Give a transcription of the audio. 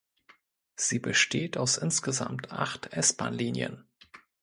Sie besteht aus insgesamt acht S-Bahn-Linien.